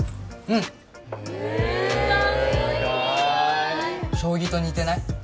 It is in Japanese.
うんへえ意外将棋と似てない？